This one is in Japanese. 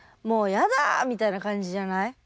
「もうやだ」みたいな感じじゃない？